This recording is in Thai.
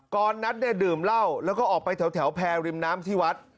นัทเนี่ยดื่มเหล้าแล้วก็ออกไปแถวแพรริมน้ำที่วัด